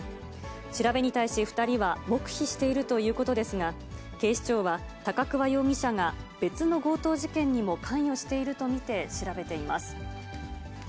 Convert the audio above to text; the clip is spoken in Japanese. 調べに対し、２人は黙秘しているということですが、警視庁は、高桑容疑者が別の強盗事件にも関与していると見て調べています。